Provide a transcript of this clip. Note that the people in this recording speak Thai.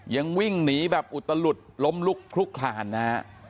ยังวิ่งหนีแบบอุตลุษล้มลุกครุกขานะ